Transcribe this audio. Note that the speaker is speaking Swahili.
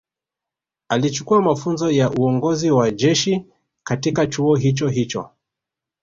Alichukua mafunzo ya uongozi wa jeshi katika chuo hicho hicho